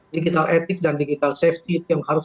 digital etik dan digital safety itu yang harus